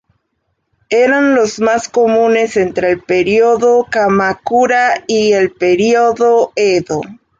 Eran los más comunes entre el período Kamakura y el período Edo.